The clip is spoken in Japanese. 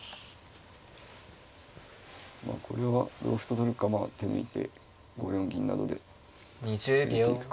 まあこれは同歩と取るか手抜いて５四銀などで攻めていくか。